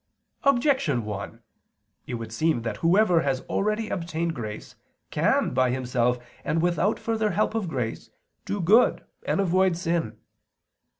Objection 1: It would seem that whoever has already obtained grace, can by himself and without further help of grace, do good and avoid sin.